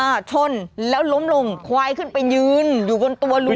อ่าชนแล้วล้มลงควายขึ้นไปยืนอยู่บนตัวลูงเนี้ย